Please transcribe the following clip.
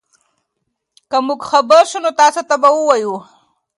که موږ خبر شو نو تاسي ته به ووایو.